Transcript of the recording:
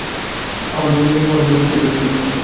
আমাদের ধর্মের জ্ঞান অন্ধের হস্তীদর্শনের তুল্য।